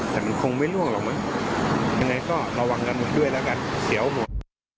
แต่มันคงไม่ล่วงหรอกมั้งยังไงก็ระวังกันด้วยแล้วกันเสียวหมด